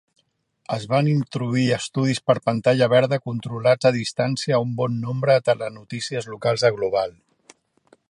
Es van introduir estudis per pantalla verda controlats a distància a un bon nombre de telenotícies locals de Global.